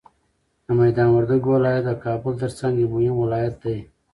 د میدان وردګو ولایت د کابل تر څنګ یو مهم ولایت دی.